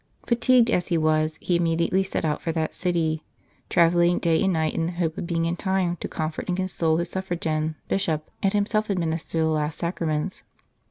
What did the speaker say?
Fatigued as he was, he immediately set out for that city, travelling day and night in the hope of being in time to comfort and console his suffragan Bishop, and himself administer the last Sacraments.